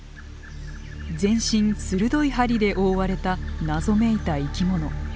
全身鋭い針で覆われた謎めいた生き物。